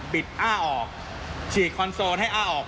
อ้าออกฉีดคอนโซลให้อ้าออก